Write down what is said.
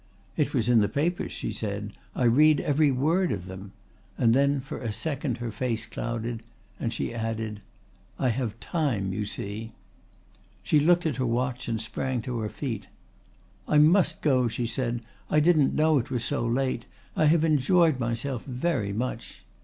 "It was in the papers," she said. "I read every word of them," and then for a second her face clouded, and she added: "I have time, you see." She looked at her watch and sprang to her feet. "I must go," she said. "I didn't know it was so late. I have enjoyed myself very much."